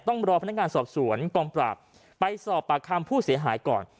ต้องรอพนักงานสอบสวนกองปราบไปสอบปากคำผู้เสียหายก่อน